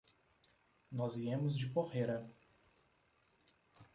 Nós viemos de Porrera.